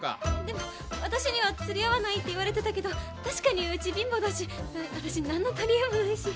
でも私には釣り合わないって言われてたけど確かにうち貧乏だし私なんの取りえもないし。